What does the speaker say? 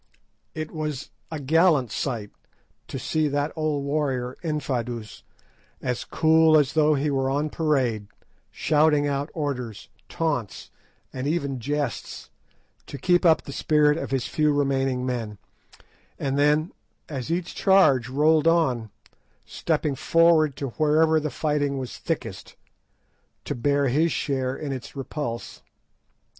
It was a gallant sight to see that old warrior, Infadoos, as cool as though he were on parade, shouting out orders, taunts, and even jests, to keep up the spirit of his few remaining men, and then, as each charge rolled on, stepping forward to wherever the fighting was thickest, to bear his share in its repulse.